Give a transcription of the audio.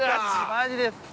マジです。